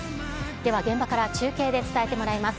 では、現場から中継で伝えてもらいます。